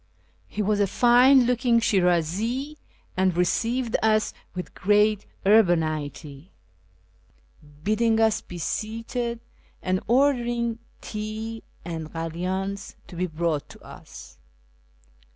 He was a fine looking Shirazi, and received us with great urbanity, bidding us be seated, and ordering tea and kalyans to be brought to us.